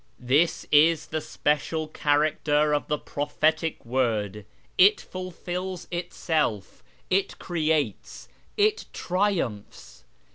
This is the special character of the prophetic word ; it fulfils itself ; it creates ; it triumphs.